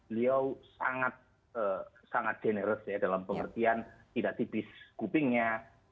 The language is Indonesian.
beliau sangat sangat generos dalam pengertian tidak tipis kupingnya